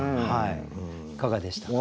いかがでしたか？